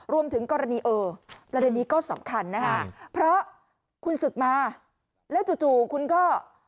รวมถึงกรณีเออประเด็นนี้ก็สำคัญนะคะเพราะคุณศึกมาแล้วจู่คุณก็